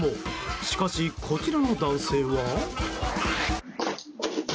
しかし、こちらの男性は。